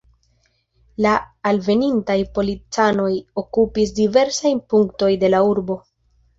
La alvenintaj policanoj okupis diversajn punktojn de la urbo.